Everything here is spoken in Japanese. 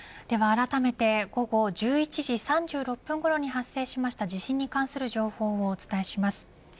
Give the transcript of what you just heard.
ではあらためて午後１１時３６分ごろに発生しました地震に関する情報をお伝えします。